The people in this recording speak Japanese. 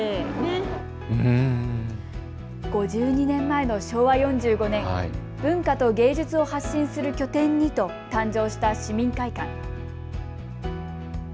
５２年前の昭和４５年、文化と芸術を発信する拠点にと誕生した市民会館。